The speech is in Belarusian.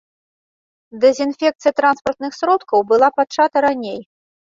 Дэзінфекцыя транспартных сродкаў была пачата раней.